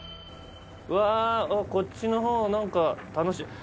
「うわこっちの方何か楽し」